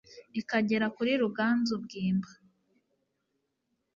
ikagera kuri Ruganzu Bwimba.